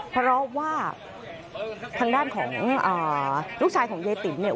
เพราะว่าทางด้านลูกชายของยายติ๋ม